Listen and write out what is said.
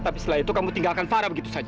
tapi setelah itu kamu tinggalkan farah begitu saja